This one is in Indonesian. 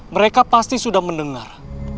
mereka pasti sudah mendengar